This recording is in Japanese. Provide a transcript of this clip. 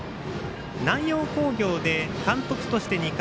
南陽工業で監督として２回。